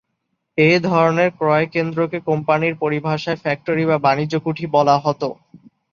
এ ধরনের ক্রয়কেন্দ্রকে কোম্পানির পরিভাষায় ফ্যাক্টরি বা বাণিজ্যকুঠি বলা হতো।